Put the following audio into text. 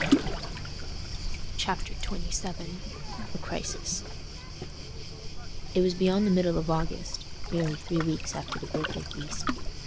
Book Fourth Chapter XXVII A crisis It was beyond the middle of August—nearly three weeks after the birthday feast.